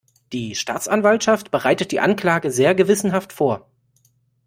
Die Staatsanwaltschaft bereitet die Anklage sehr gewissenhaft vor.